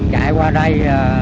chạy qua đây